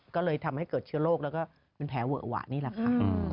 ก็เลยทำให้เกิดเชื้อโรคแล้วก็เป็นแผลเวอะหวะนี่แหละค่ะ